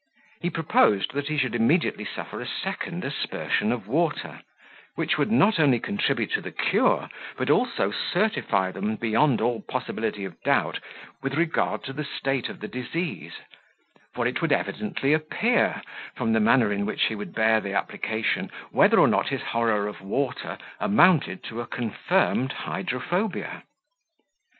He proposed that he should immediately suffer a second aspersion of water, which would not only contribute to the cure, but also certify them, beyond all possibility of doubt, with regard to the state of the disease; for it would evidently appear, from the manner in which he would bear the application, whether or not his horror of water amounted to a confirmed hydrophobia.